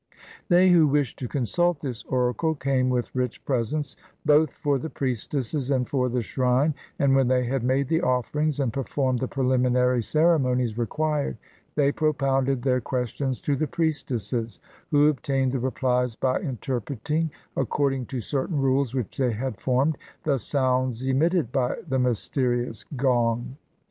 They who wished to consult this oracle came with rich presents both for the priestesses and for the shrine, and when they had made the offerings, and performed the preliminary ceremonies required, they propounded their questions to the priestesses, who obtained the rephes by interpreting, according to certain rules which they had formed, the sounds emitted by the mysterious gong.